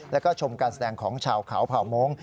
แล้วก็ชมการแสดงของชาวเขาเผ่าโม้ง